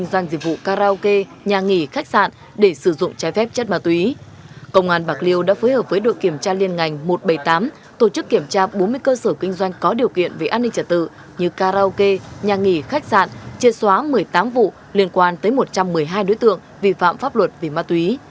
hóa một mươi tám vụ liên quan tới một trăm một mươi hai đối tượng vi phạm pháp luật vì ma túy